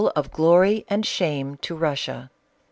of glory and shame to Russia.